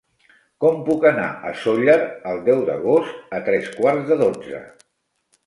Com puc anar a Sóller el deu d'agost a tres quarts de dotze?